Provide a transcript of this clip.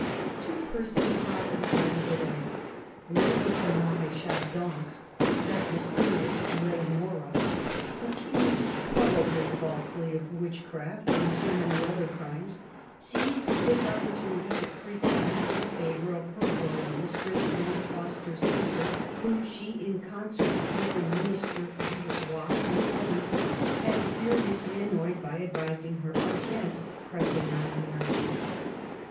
Two persons profited by the delay. One was the Marechale d'Ancre. That mysterious Leonora, accused, probably falsely, of witchcraft and so many other crimes, seized this opportunity to creep back into the favour of her royal mistress and foster sister, whom she, in concert with the Minister Villeroy and others, had seriously annoyed by advising her against pressing on the marriages.